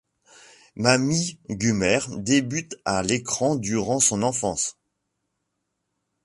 Mamie Gummer débute à l'écran durant son enfance.